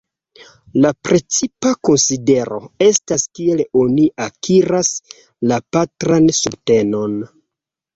La precipa konsidero estas kiel oni akiras la patran subtenon.